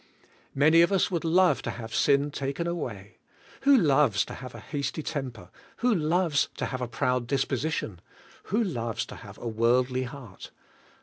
Many of us would love to have sin taken away. Who loves to have a hasty temper? Who loves to have CARNAL CHRISTIANS 23 a proud disposition ? Who loves to have a worldly heart?